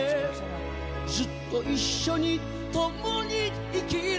「ずっといっしょに共に生きる」